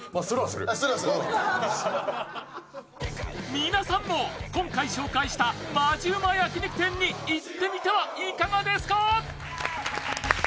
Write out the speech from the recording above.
皆さんも今回紹介した本気ウマ焼き肉店に行ってみてはいかがですか。